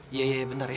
iya iya bentar ya